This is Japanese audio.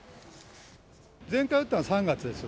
前回打ったの３月です。